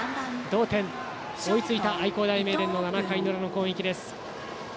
同点、追いついた愛工大名電の７回の裏の攻撃です。